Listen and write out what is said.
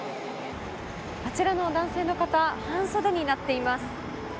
あちらの男性の方半袖になっています。